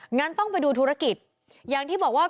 งั้นต้องไปดูธุรกิจอย่างที่บอกว่า